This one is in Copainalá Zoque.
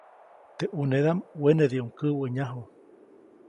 Teʼ ʼunedaʼm wenediʼuŋ käwäʼnyaju.